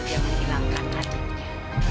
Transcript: dia menghilangkan hadiahnya